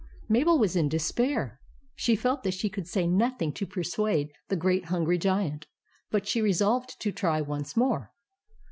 Mabel was in despair. She felt that she could say nothing to persuade the great hungry Giant. But she resolved to try once more.